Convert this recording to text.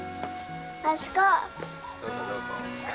あそこ。